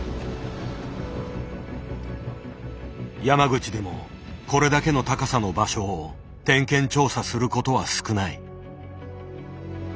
山口でもこれだけの高さの場所を点検調査することは少ない。